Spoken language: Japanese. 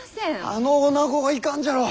あのおなごはいかんじゃろう！